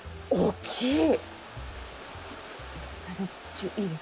大っきい。